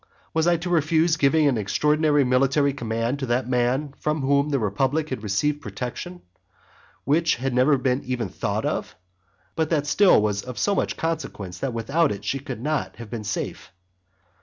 Was I to refuse giving an extraordinary military command to that man from whom the republic had received protection which had never even been thought of, but that still was of so much consequence that without it she could not have been safe?